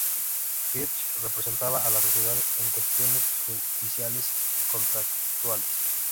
Piëch representaba a la sociedad en cuestiones judiciales y contractuales.